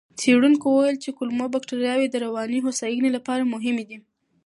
څېړونکو وویل چې کولمو بکتریاوې د رواني هوساینې لپاره مهمې دي.